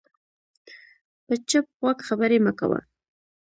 په چپ غوږ خبرې مه کوه